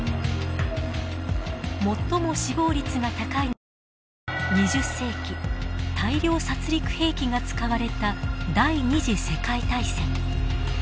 最も死亡率が高いのは２０世紀大量殺戮兵器が使われた第二次世界大戦。